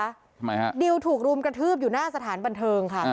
ทำไมฮะดิวถูกรุมกระทืบอยู่หน้าสถานบันเทิงค่ะ